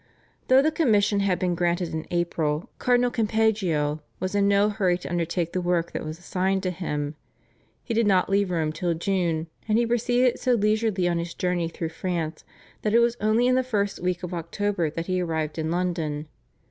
Though the commission had been granted in April, Cardinal Campeggio was in no hurry to undertake the work that was assigned to him. He did not leave Rome till June, and he proceeded so leisurely on his journey through France that it was only in the first week of October that he arrived in London.